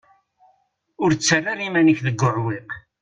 Ur ttarra ara iman-ik deg uɛewwiq.